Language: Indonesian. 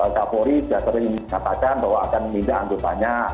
kapolri jadwal ini mengatakan bahwa akan menindak antutannya